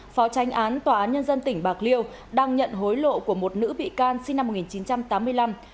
phó tranh án tòa án nhân dân tỉnh bạc liêu đang nhận hối lộ của một nữ bị can sinh năm một nghìn chín trăm tám mươi năm